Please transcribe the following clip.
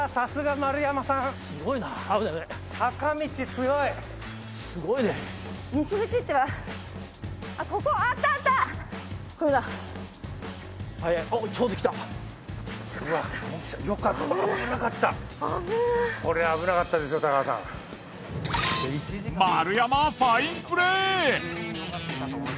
丸山ファインプレー！